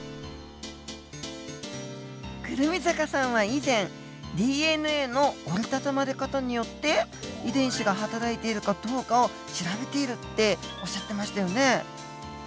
胡桃坂さんは以前ＤＮＡの折りたたまれ方によって遺伝子がはたらいているかどうかを調べているっておっしゃってましたよね。